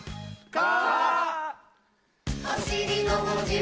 「か」